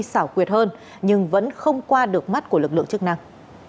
xảo quyệt hơn nhưng vẫn không qua được mắt của lực lượng chức năng